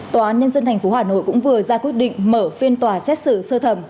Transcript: tòa án nhân dân tp hà nội cũng vừa ra quyết định mở phiên tòa xét xử sơ thẩm